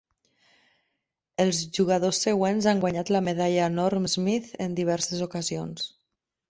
Els jugadors següents han guanyat la medalla Norm Smith en diverses ocasions.